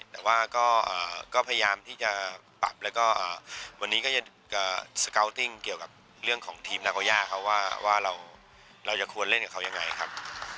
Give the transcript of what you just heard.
แต่ว่าก็พยายามที่จะปรับแล้วก็วันนี้ก็จะสกาวติ้งเกี่ยวกับเรื่องของทีมนาโกย่าเขาว่าเราจะควรเล่นกับเขายังไงครับ